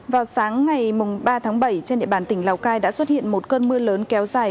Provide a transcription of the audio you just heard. vào sáng ngày ba tháng bảy trên địa bàn tỉnh lào cai đã xuất hiện một cơn mưa lớn kéo dài